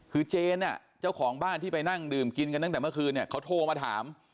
คือเจนเจ้าของบ้านที่ไปนั่งดื่มกินกันตั้งแต่เมื่อคืนเนี่ยเขาโทรมาถาม